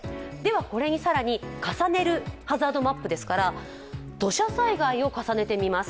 これに更に重ねるハザードマップですから、土砂災害を重ねてみます。